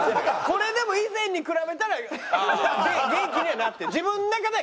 これでも以前に比べたら元気ねえなって。